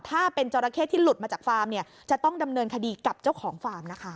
ถ้าเป็นจราเข้ที่หลุดมาจากฟาร์มเนี่ยจะต้องดำเนินคดีกับเจ้าของฟาร์มนะคะ